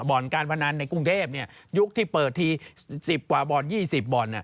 บ่อนการพนันในกรุงเทพยุคที่เปิดที๑๐กว่าบ่อน๒๐บ่อน